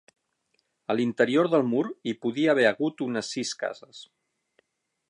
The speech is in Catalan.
A l'interior del mur hi podia haver hagut unes sis cases.